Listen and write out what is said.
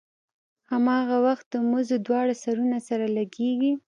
هماغه وخت د مزو دواړه سرونه سره لګېږي.